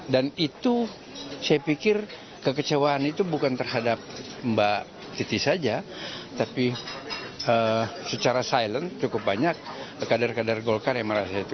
dan itu saya pikir kekecewaan itu bukan terhadap mbak titi saja tapi secara silent cukup banyak kader kader golkar yang merasa itu